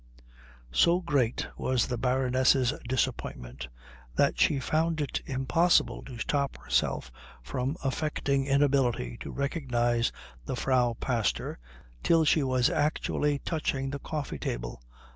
So great was the Baroness's disappointment that she found it impossible to stop herself from affecting inability to recognise the Frau Pastor till she was actually touching the coffee table.